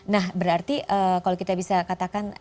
nah berarti kalau kita bisa katakan